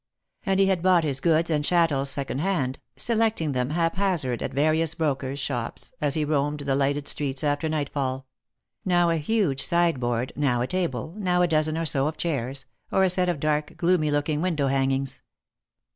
And he had bought his goods and chattels second hand, selecting them haphazard at various brokers' shops, as he roamed the lighted streets after nightfall ; now a huge side board, now a table, now a dozen or so of chairs, or a set of dark, gloomy looking window hangings.